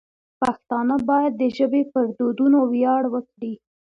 پښتانه باید د ژبې پر دودونو ویاړ وکړي.